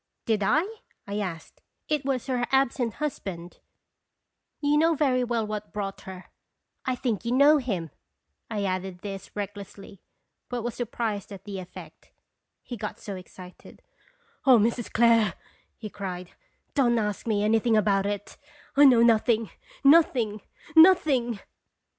"Did 1?" I asked. "It was her absent husband you know very well what brought her I think you know him. 1 ' I added this recklessly, but was surprised at the effect ; he got so excited. "Oh, Mrs. Clare," he cried, "don't ask me anything about it! I know nothing, noth ing, nothing!